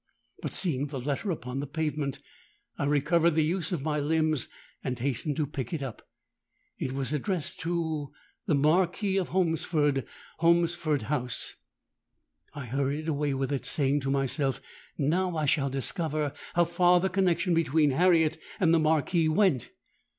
But seeing the letter upon the pavement, I recovered the use of my limbs, and hastened to pick it up. It was addressed 'To the Marquis of Holmesford, Holmesford House.' I hurried away with it, saying to myself, 'Now I shall discover how far the connexion between Harriet and the Marquis went.'